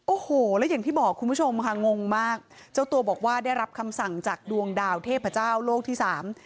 โอ้โหแล้วอย่างที่บอกคุณผู้ชมค่ะงงมากเจ้าตัวบอกว่าได้รับคำสั่งจากดวงดาวเทพเจ้าโลกที่สาม